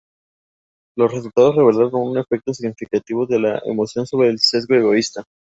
Los resultados revelaron un efecto significativo de la emoción sobre el sesgo egoísta.